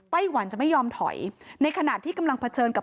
ไต้หวันจะไม่ยอมถอยในขณะที่กำลังเผชิญกับ